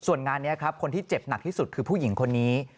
ส่วนงานนี้ครับคนที่เจ็บหนักที่สุดคือผู้หญิงคนนี้